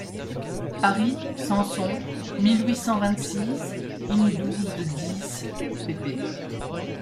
Paris, Sanson, mille huit cent vingt-six, in-douze de dix pp.